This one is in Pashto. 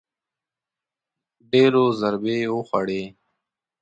ډېرو ضربې وخوړې